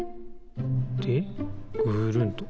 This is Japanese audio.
でぐるんと。